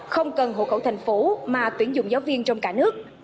không cần hộ khẩu thành phố mà tuyển dụng giáo viên trong cả nước